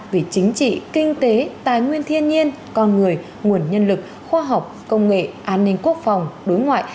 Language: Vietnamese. về chính trị kinh tế tài nguyên thiên nhiên con người nguồn nhân lực khoa học công nghệ an ninh quốc phòng đối ngoại